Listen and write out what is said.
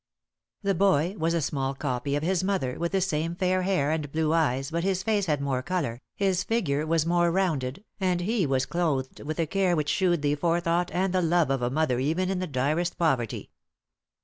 The boy was a small copy of his mother, with the same fair hair and blue eyes but his face had more colour, his figure was more rounded, and he was clothed with a care which shewed the forethought and the love of a mother even in the direst poverty.